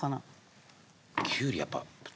きゅうりやっぱ。